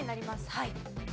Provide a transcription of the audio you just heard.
はい。